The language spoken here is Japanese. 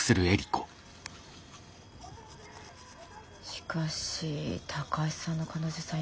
しかし高橋さんの彼女さん